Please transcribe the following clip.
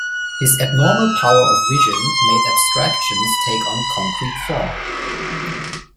His abnormal power of vision made abstractions take on concrete form.